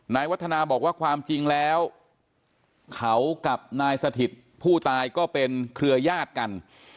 วัฒนาบอกว่าความจริงแล้วเขากับนายสถิตผู้ตายก็เป็นเครือยาศกัน